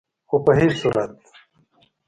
خو په هيڅ صورت